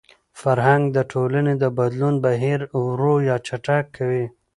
فرهنګ د ټولني د بدلون بهیر ورو يا چټک کوي.